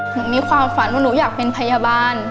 หนูมีความฝันว่าหนูอยากเป็นพยาบาล